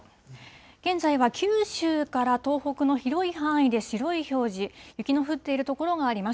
現在は九州から東北の広い範囲で白い表示、雪の降っている所があります。